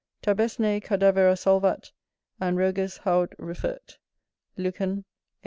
"Tabésne cadavera solvat, An rogus, haud refert." LUCAN. viii.